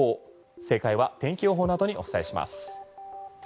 正解は天気予報のあとにお伝えします。